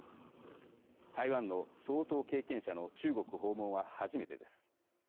台湾の総統経験者の中国訪問は初めてです。